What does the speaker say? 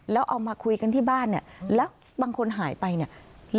แล้วเอามาคุยกันที่บ้านเนี่ยแล้วบางคนหายไปเนี่ย